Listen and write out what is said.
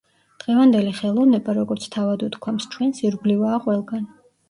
დღევანდელი ხელოვნება, როგორც თავად უთქვამს, ჩვენს ირგვლივაა ყველგან.